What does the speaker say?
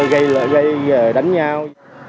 và giữa gây đánh nhau